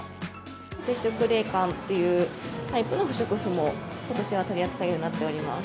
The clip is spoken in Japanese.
接触冷感っていうタイプの不織布も、ことしは取り扱うようになっています。